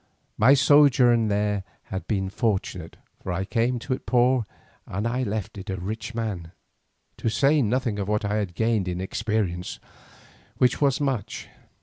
My sojourn there had been fortunate, for I came to it poor and left it a rich man, to say nothing of what I had gained in experience, which was much.